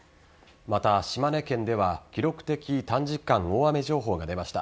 また、島根県では記録的短時間大雨情報が出ました。